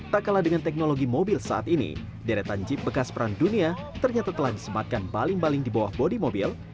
tak kalah dengan teknologi mobil saat ini deretan jeep bekas perang dunia ternyata telah disematkan baling baling di bawah bodi mobil